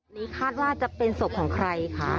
นี้คาดว่าจะเป็นศพของใครคะ